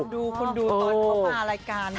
ดูคุณดูตอนเขามารายการ